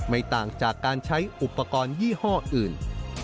ไม่ต่างจากการใช้อุปกรณ์ยี่ห้ออื่น